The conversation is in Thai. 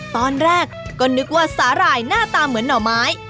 ตอนแรกก็นึกว่าสาหร่ายหน้าตาเหมือนหน่อไม้